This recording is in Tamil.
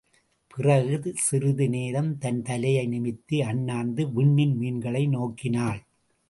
பிறகு சிறிது நேரம் தன் தலையை நிமிர்த்தி அண்ணாந்து விண்ணின் மீன்களை நோக்கினாள்.